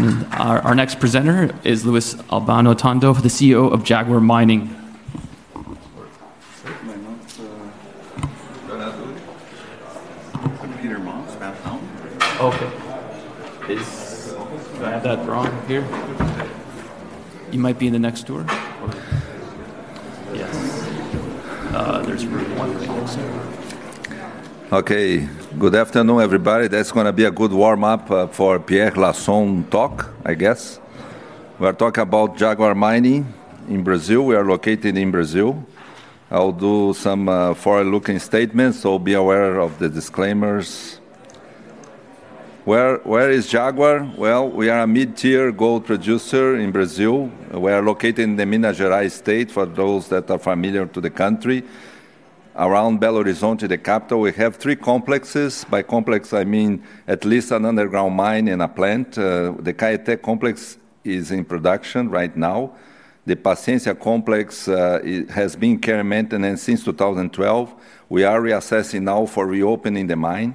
Our next presenter is Luis Albano Tondo, the CEO of Jaguar Mining. Okay. Is that that wrong here? You might be in the next door. Yes. There's room one right here, sir. Okay. Good afternoon, everybody. That is going to be a good warm-up for Pierre Lassonde talk, I guess. We are talking about Jaguar Mining in Brazil. We are located in Brazil. I will do some forward-looking statements, so be aware of the disclaimers. Where is Jaguar? We are a mid-tier gold producer in Brazil. We are located in the Minas Gerais state, for those that are familiar to the country. Around Belo Horizonte, the capital, we have three complexes. By complex, I mean at least an underground mine and a plant. The Caeté complex is in production right now. The Paciência complex has been care and maintenance since 2012. We are reassessing now for reopening the mine.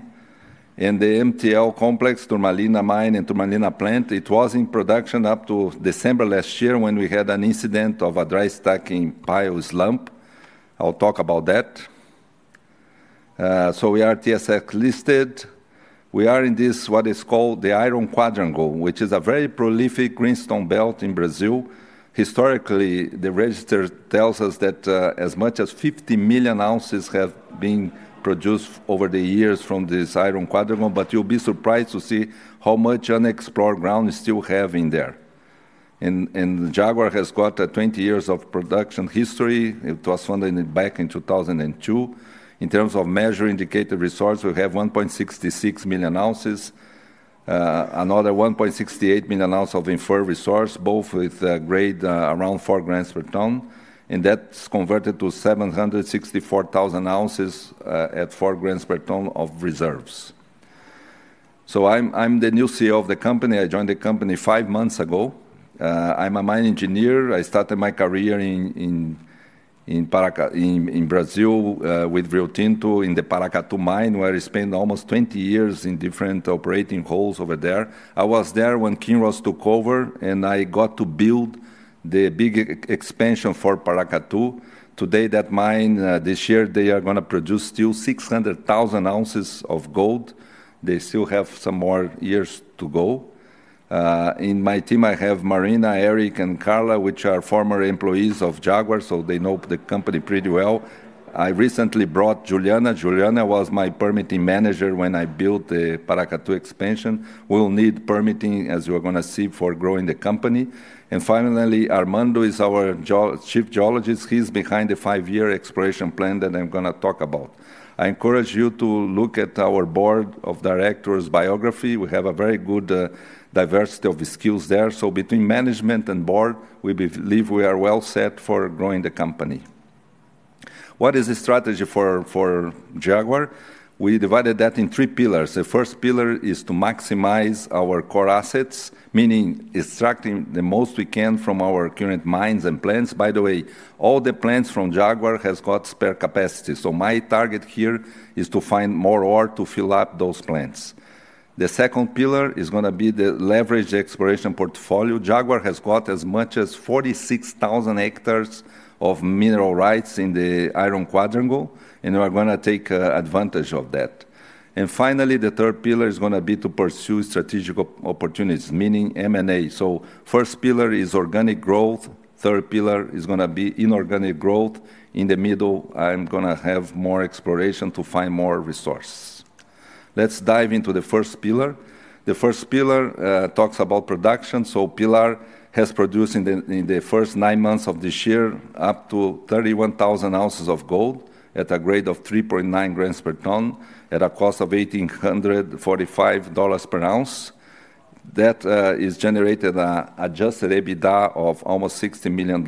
The MTL complex, Turmalina mine and Turmalina plant, it was in production up to December last year when we had an incident of a dry stacking pile slump. I will talk about that. We are TSX listed. We are in this, what is called the Iron Quadrangle, which is a very prolific greenstone belt in Brazil. Historically, the register tells us that as much as 50 million ounces have been produced over the years from this Iron Quadrangle, but you'll be surprised to see how much unexplored ground we still have in there. Jaguar has got 20 years of production history. It was founded back in 2002. In terms of measured indicated resource, we have 1.66 million ounces, another 1.68 million ounces of inferred resource, both with a grade around 4 g per ton. That is converted to 764,000 ounces at 4 g per ton of reserves. I'm the new CEO of the company. I joined the company five months ago. I'm a Mine Engineer. I started my career in Brazil with Rio Tinto in the Paracatu mine, where I spent almost 20 years in different operating roles over there. I was there when Kinross took over, and I got to build the big expansion for Paracatu. Today, that mine, this year, they are going to produce still 600,000 ounces of gold. They still have some more years to go. In my team, I have Marina, Eric, and Carla, which are former employees of Jaguar, so they know the company pretty well. I recently brought Juliana. Juliana was my permitting manager when I built the Paracatu expansion. We will need permitting, as you are going to see, for growing the company. Finally, Armando is our Chief Geologist. He is behind the five-year exploration plan that I am going to talk about. I encourage you to look at our Board of Directors biography. We have a very good diversity of skills there. Between Management and Board, we believe we are well set for growing the company. What is the strategy for Jaguar? We divided that in three pillars. The first pillar is to maximize our core assets, meaning extracting the most we can from our current mines and plants. By the way, all the plants from Jaguar have got spare capacity. My target here is to find more ore to fill up those plants. The second pillar is going to be the leveraged exploration portfolio. Jaguar has got as much as 46,000 hectares of mineral rights in the Iron Quadrangle, and we are going to take advantage of that. Finally, the third pillar is going to be to pursue strategic opportunities, meaning M&A. The first pillar is organic growth. The third pillar is going to be inorganic growth. In the middle, I'm going to have more exploration to find more resources. Let's dive into the first pillar. The first pillar talks about production. Pilar has produced in the first nine months of this year up to 31,000 ounces of gold at a grade of 3.9 g per ton at a cost of BRL 1,845 per ounce. That has generated an adjusted EBITDA of almost BRL 60 million.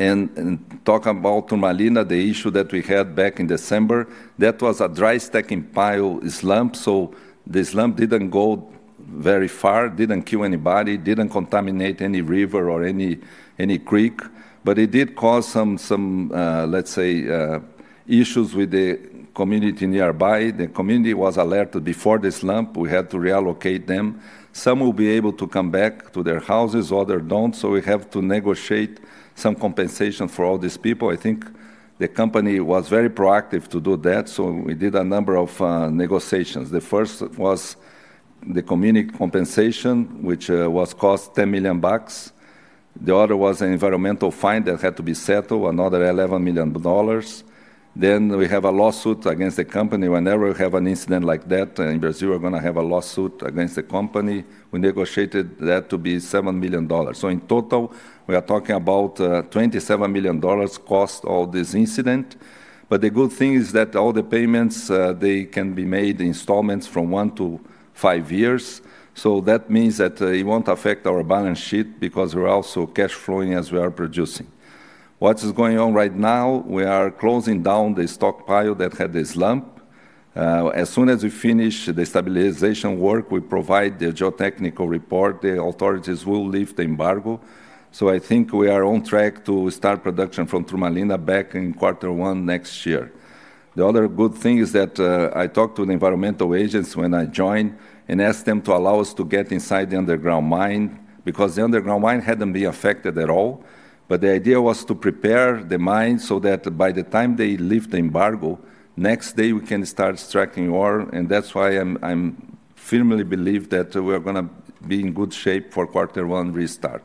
Talking about Turmalina, the issue that we had back in December, that was a dry stacking pile slump. The slump did not go very far, did not kill anybody, did not contaminate any river or any creek, but it did cause some, let's say, issues with the community nearby. The community was alerted before the slump. We had to reallocate them. Some will be able to come back to their houses, others do not. We have to negotiate some compensation for all these people. I think the company was very proactive to do that. We did a number of negotiations. The first was the community compensation, which cost BRL 10 million. The other was an environmental fine that had to be settled, another BRL 11 million. We have a lawsuit against the company. Whenever we have an incident like that in Brazil, we're going to have a lawsuit against the company. We negotiated that to be BRL 7 million. In total, we are talking about BRL 27 million cost all this incident. The good thing is that all the payments, they can be made in installments from one to five years. That means that it won't affect our balance sheet because we're also cash flowing as we are producing. What is going on right now? We are closing down the stockpile that had the slump. As soon as we finish the stabilization work, we provide the geotechnical report. The authorities will lift the embargo. I think we are on track to start production from Turmalina back in quarter one next year. The other good thing is that I talked to the environmental agents when I joined and asked them to allow us to get inside the underground mine because the underground mine had not been affected at all. The idea was to prepare the mine so that by the time they lift the embargo, next day we can start extracting ore. That is why I firmly believe that we are going to be in good shape for quarter one restart.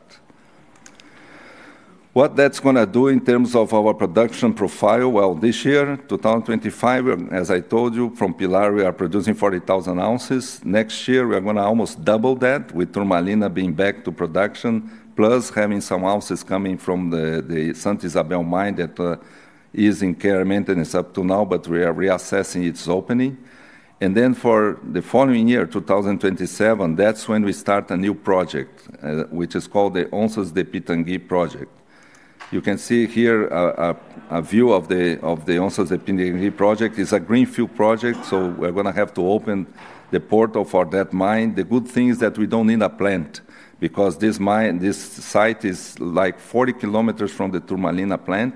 What that's going to do in terms of our production profile, this year, 2025, as I told you, from Pilar, we are producing 40,000 ounces. Next year, we're going to almost double that with Turmalina being back to production, plus having some ounces coming from the Santa Isabel mine that is in care maintenance up to now, but we are reassessing its opening. For the following year, 2027, that's when we start a new project, which is called the Onças de Pitaingui Project. You can see here a view of the Onças de Pitaingui Project. It's a greenfield project, so we're going to have to open the portal for that mine. The good thing is that we do not need a plant because this site is like 40 km from the Turmalina plant.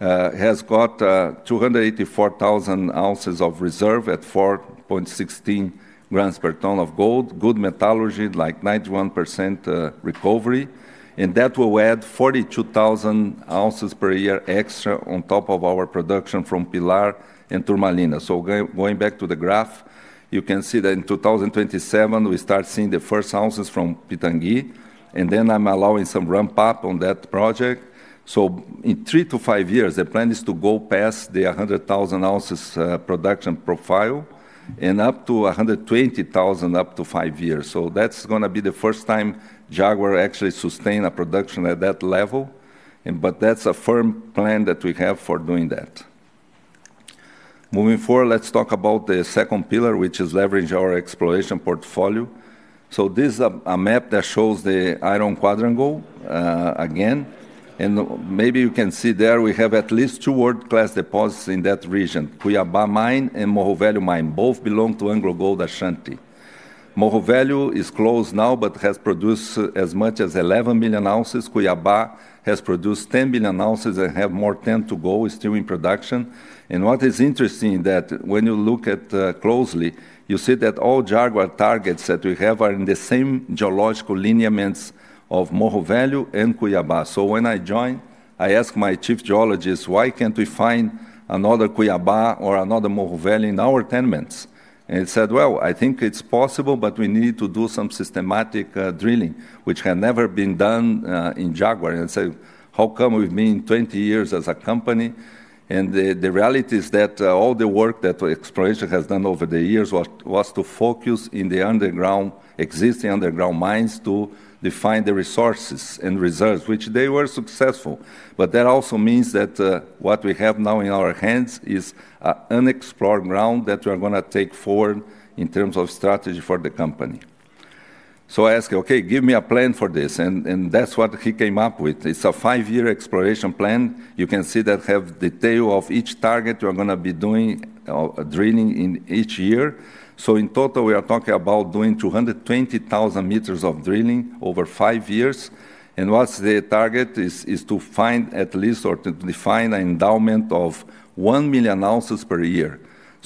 It has got 284,000 ounces of reserve at 4.16 g per ton of gold, good metallurgy, like 91% recovery. That will add 42,000 ounces per year extra on top of our production from Pilar and Turmalina. Going back to the graph, you can see that in 2027, we start seeing the first ounces from Pitaingui. I am allowing some ramp-up on that project. In 3-5 years, the plan is to go past the 100,000 ounces production profile and up to 120,000 up to five years. That is going to be the first time Jaguar actually sustained a production at that level. That is a firm plan that we have for doing that. Moving forward, let's talk about the second pillar, which is leverage our exploration portfolio. This is a map that shows the Iron Quadrangle again. Maybe you can see there we have at least two world-class deposits in that region, Cuiabá mine and Morro Velho mine. Both belong to AngloGold Ashanti. Morro Velho is closed now, but has produced as much as 11 million ounces. Cuiabá has produced 10 million ounces and have more 10 to go still in production. What is interesting is that when you look at closely, you see that all Jaguar targets that we have are in the same geological lineaments of Morro Velho and Cuiabá. When I joined, I asked my Chief Geologist, "Why can't we find another Cuiabá or another Morro Velho in our tenements?" He said, "I think it's possible, but we need to do some systematic drilling, which had never been done in Jaguar." I said, "How come we've been 20 years as a company?" The reality is that all the work that exploration has done over the years was to focus in the underground, existing underground mines to define the resources and reserves, which they were successful. That also means that what we have now in our hands is unexplored ground that we're going to take forward in terms of strategy for the company. I asked, "Okay, give me a plan for this." That's what he came up with. It's a five-year exploration plan. You can see that we have detail of each target we're going to be doing drilling in each year. In total, we are talking about doing 220,000 meters of drilling over five years. The target is to find at least or to define an endowment of 1 million ounces per year.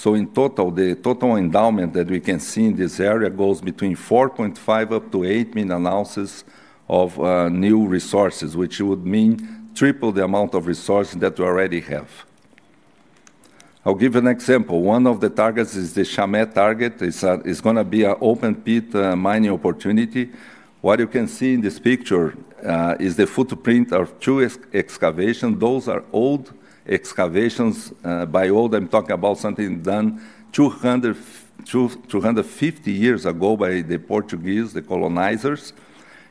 In total, the total endowment that we can see in this area goes between 4.5-8 million ounces of new resources, which would mean triple the amount of resources that we already have. I'll give you an example. One of the targets is the Chame target. It's going to be an open pit mining opportunity. What you can see in this picture is the footprint of two excavations. Those are old excavations. By old, I'm talking about something done 250 years ago by the Portuguese, the colonizers.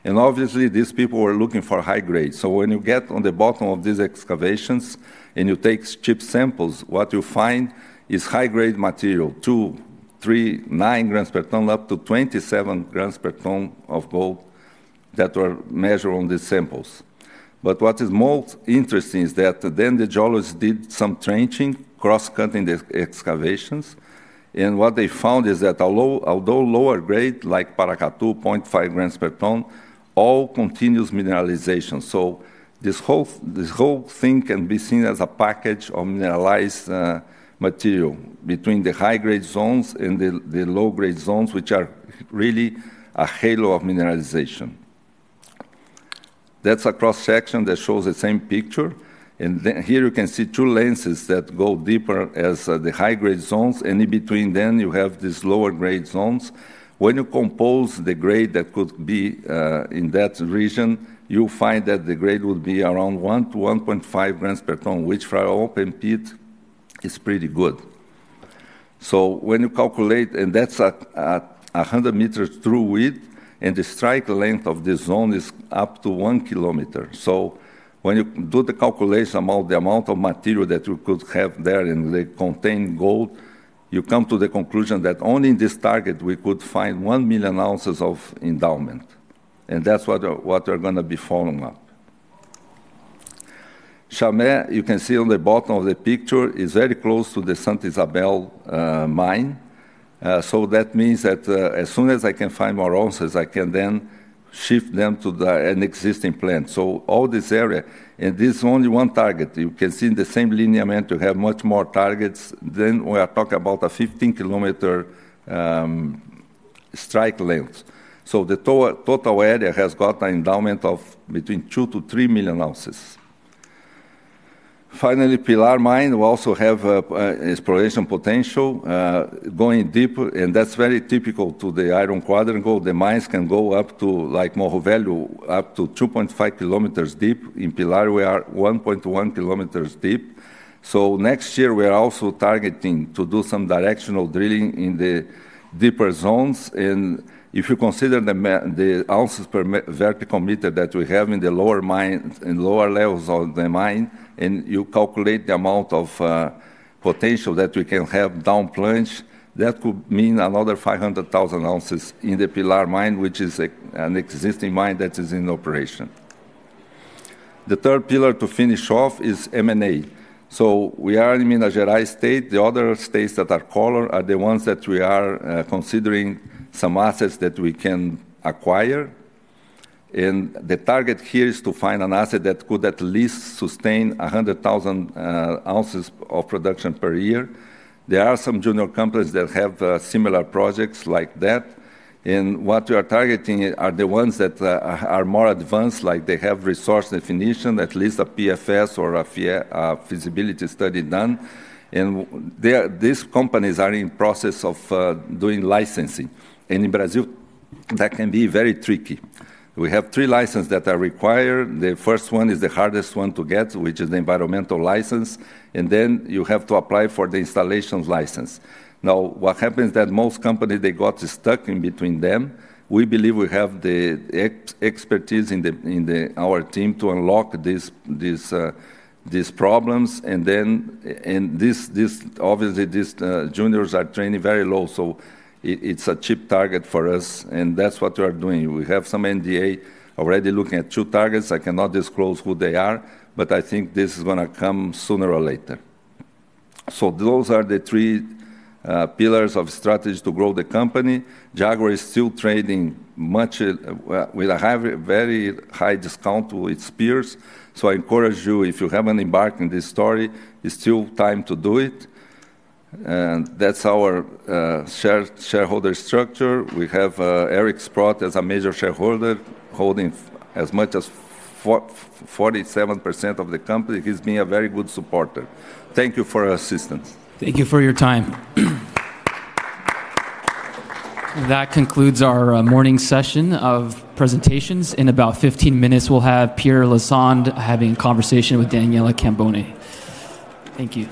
Obviously, these people were looking for high grade. When you get on the bottom of these excavations and you take chip samples, what you find is high-grade material, 2, 3, 9 g per ton up to 27 g per ton of gold that were measured on these samples. What is most interesting is that the geologist did some trenching, cross-cutting the excavations. What they found is that although lower grade, like Paracatu, 0.5 g per ton, all continuous mineralization. This whole thing can be seen as a package of mineralized material between the high-grade zones and the low-grade zones, which are really a halo of mineralization. That is a cross-section that shows the same picture. Here you can see two lenses that go deeper as the high-grade zones. In between them, you have these lower-grade zones. When you compose the grade that could be in that region, you'll find that the grade would be around 1-1.5 g per ton, which for an open pit is pretty good. When you calculate, and that's 100 m through width, and the strike length of this zone is up to 1 km. When you do the calculation about the amount of material that you could have there and the contained gold, you come to the conclusion that only in this target we could find 1 million ounces of endowment. That's what we're going to be following up. Chame, you can see on the bottom of the picture, is very close to the Santa Isabel mine. That means that as soon as I can find more ounces, I can then shift them to an existing plant. All this area, and this is only one target. You can see in the same lineament, you have much more targets. We are talking about a 15 km strike length. The total area has got an endowment of between 2-3 million ounces. Finally, Pilar mine, we also have exploration potential going deep. That is very typical to the Iron Quadrangle. The mines can go up to, like Morro Velho, up to 2.5 km deep. In Pilar, we are 1.1 km deep. Next year, we are also targeting to do some directional drilling in the deeper zones. If you consider the ounces per vertical meter that we have in the lower mines and lower levels of the mine, and you calculate the amount of potential that we can have downplunge, that could mean another 500,000 ounces in the Pilar mine, which is an existing mine that is in operation. The third pillar to finish off is M&A. We are in Minas Gerais state. The other states that are colored are the ones that we are considering some assets that we can acquire. The target here is to find an asset that could at least sustain 100,000 ounces of production per year. There are some junior companies that have similar projects like that. What we are targeting are the ones that are more advanced, like they have resource definition, at least a PFS or a Feasibility Study done. These companies are in process of doing licensing. In Brazil, that can be very tricky. We have three licenses that are required. The first one is the hardest one to get, which is the environmental license. Then you have to apply for the installation license. What happens is that most companies, they got stuck in between them. We believe we have the expertise in our team to unlock these problems. Obviously, these juniors are trading very low. It is a cheap target for us. That is what we are doing. We have some NDA already looking at two targets. I cannot disclose who they are, but I think this is going to come sooner or later. Those are the three pillars of strategy to grow the company. Jaguar is still trading with a very high discount to its peers. I encourage you, if you haven't embarked on this story, it's still time to do it. That's our shareholder structure. We have Eric Sprott as a major shareholder holding as much as 47% of the company. He's been a very good supporter. Thank you for your assistance. Thank you for your time. That concludes our morning session of presentations. In about 15 minutes, we'll have Pierre Lassonde having a conversation with Daniela Camboni. Thank you.